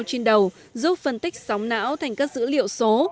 cánh tay đeo trên đầu giúp phân tích sóng não thành các dữ liệu số